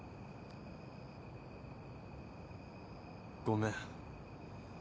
ごめん。